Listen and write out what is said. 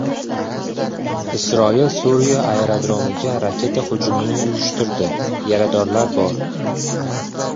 Isroil Suriya aerodromiga raketa hujumini uyushtirdi, yaradorlar bor